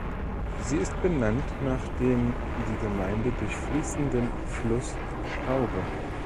Sie ist benannt nach dem die Gemeinde durchfließenden Fluss Schlaube.